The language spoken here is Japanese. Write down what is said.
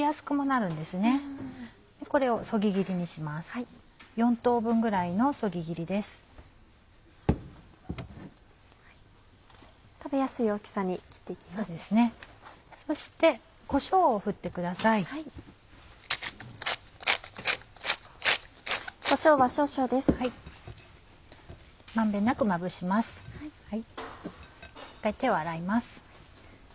一回手を洗います。